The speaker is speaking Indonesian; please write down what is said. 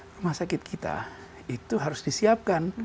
rumah sakit kita itu harus disiapkan